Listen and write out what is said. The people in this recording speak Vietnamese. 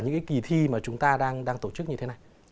những cái kỳ thi mà chúng ta đang tổ chức như thế này